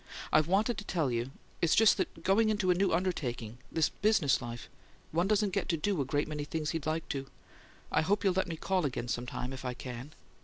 "I've wanted to tell you it's just that going into a new undertaking this business life one doesn't get to do a great many things he'd like to. I hope you'll let me call again some time, if I can."